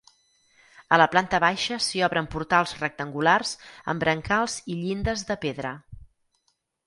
A la planta baixa s'hi obren portals rectangulars amb brancals i llindes de pedra.